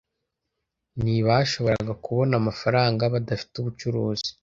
ntibashoboraga kubona amafaranga badafite ubucuruzi